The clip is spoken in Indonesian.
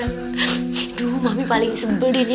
aduh mami paling sebel dini